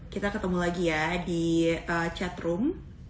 kita ketemu lagi ya di chatroom